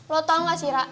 lo tau gak sih ra